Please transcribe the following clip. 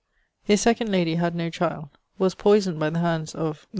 His 2d lady had no child; was poysoned by the hands of Co.